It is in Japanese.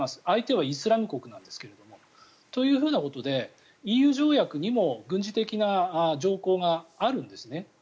相手はイスラム国なんですが。というふうなことでＥＵ条約にも軍事的な条項があるんですね。